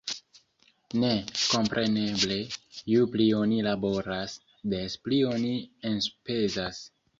Ne. Kompreneble, ju pli oni laboras, des pli oni enspezas